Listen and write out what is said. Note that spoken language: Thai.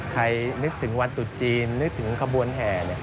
นึกถึงวันตุดจีนนึกถึงขบวนแห่